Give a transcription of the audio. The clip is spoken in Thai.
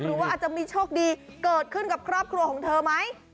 หรือว่าอาจจะมีโชคดีเกิดขึ้นกับครอบครัวของเธอไหม